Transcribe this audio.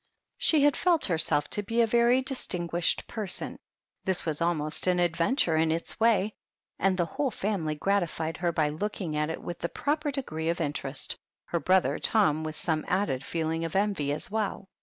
She felt herself to be a very distinguished person ; this was almost an adventure in its way, and the whole family gratified her by looking at it with the proper degree of interest, her brother Tom with some added feeling of envy as well.